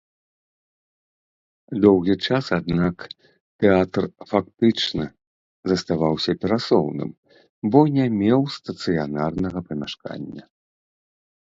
Доўгі час, аднак, тэатр фактычна заставаўся перасоўным, бо не меў стацыянарнага памяшкання.